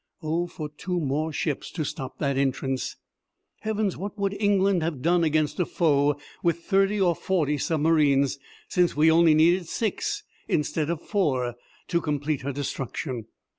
Oh, for two more ships to stop that entrance! Heavens, what would England have done against a foe with thirty or forty submarines, since we only needed six instead of four to complete her destruction!